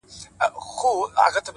بيا به دا نه وايې چي چا سره خبرې وکړه _